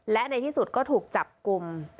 และในที่สุดก็ถูกจับกลุ่ม